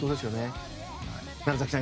楢崎さん